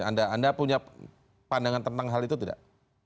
anda punya pandangan tentang hal itu tidak